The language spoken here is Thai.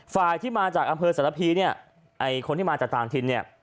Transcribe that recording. ฝ่ายที่มาจากอำเภอสระพี่คนที่มาจากต่างถิ่น